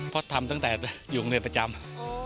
เพราะทำตั้งแต่อยู่โรงเรียนประจำ